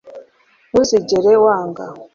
ntuzigere wanga